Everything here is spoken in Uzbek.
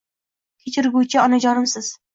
Kechirguvchi onajonimsiz